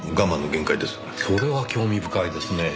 それは興味深いですねぇ。